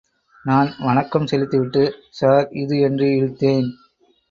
நான் வணக்கம் செலுத்திவிட்டு, சார் இது... என்று இழுத்தேன்.